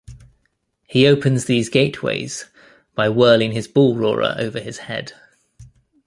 He opens these gateways by whirling his bullroarer over his head.